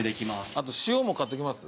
あと塩も買っときます？